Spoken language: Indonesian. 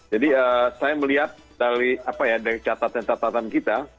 jadi saya melihat dari catatan catatan kita